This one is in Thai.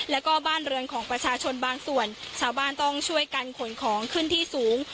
แล้วก็บ้านเรือนของประชาชนบางส่วนชาวบ้านต้องช่วยกันขนของขึ้นที่สูง